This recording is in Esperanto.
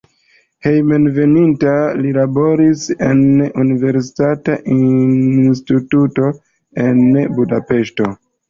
Hejmenveninta li laboris en universitata instituto en Budapeŝto.